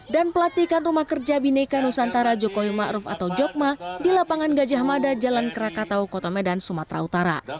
dan pelatihkan rumah kerja bineka nusantara jokowi ma'ruf atau jokma di lapangan gajah mada jalan krakatau kota medan sumatera utara